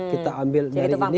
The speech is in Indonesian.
kita ambil dari ini